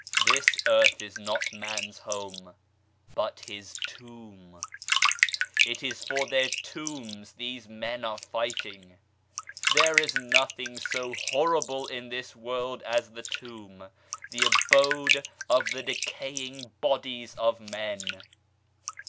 This earth is not man's home, but his tomb. It is for their tombs these men are fighting. There is nothing so horrible in this world as the tomb, the abode of the decaying bodies of men.